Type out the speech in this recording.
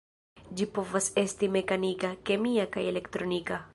Ĝi povas esti mekanika, kemia kaj elektronika.